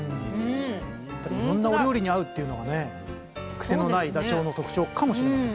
こんなお料理に合うっていうのはね癖のないダチョウの特徴かもしれませんよね。